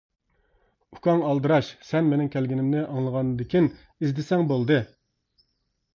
ئۇكاڭ ئالدىراش، سەن مىنىڭ كەلگىنىمنى ئاڭلىغاندىكىن ئىزدىسەڭ بولدى.